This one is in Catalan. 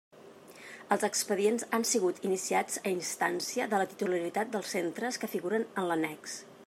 Els expedients han sigut iniciats a instància de la titularitat dels centres que figuren en l'annex.